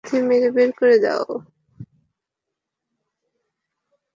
লাত্থি মেরে বের করে দেও।